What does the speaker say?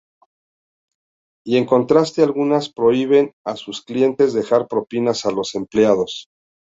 Y en contraste algunas prohíben a sus clientes dejar propinas a los empleados.